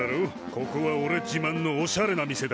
ここはおれ自慢のおしゃれな店だからよ。